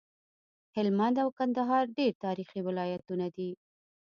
هلمند او کندهار ډير تاريخي ولايتونه دي